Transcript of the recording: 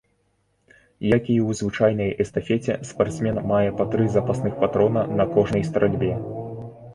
Як і ў звычайнай эстафеце спартсмен мае па тры запасных патрона на кожнай стральбе.